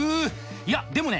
いやでもね